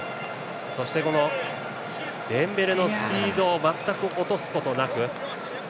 そして、デンベレのスピードを全く落とすことなく。